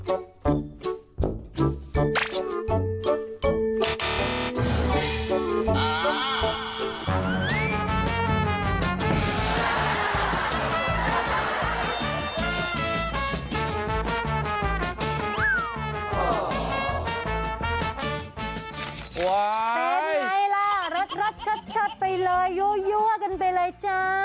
เป็นไงล่ะรักชัดไปเลยยั่วกันไปเลยจ้า